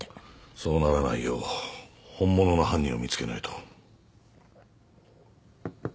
そうならないよう本物の犯人を見つけないと。